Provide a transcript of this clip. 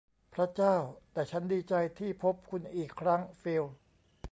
พระเจ้า แต่ฉันดีใจที่พบคุณอีกครั้ง ฟิล